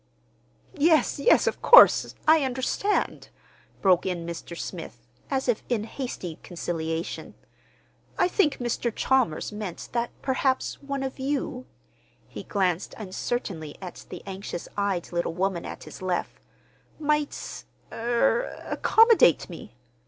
"Yes, yes, of course; I understand," broke in Mr. Smith, as if in hasty conciliation. "I think Mr. Chalmers meant that perhaps one of you"—he glanced uncertainly at the anxious eyed little woman at his left—"might—er—accommodate me.